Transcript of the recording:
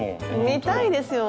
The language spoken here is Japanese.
見たいですよ。